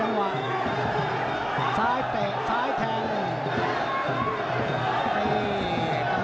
ซ้ายเตะซ้ายแทง